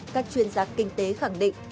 các chuyên gia kinh tế khẳng định